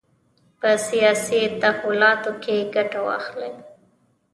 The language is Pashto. په سیاسي تحولاتو کې ګټه واخلي.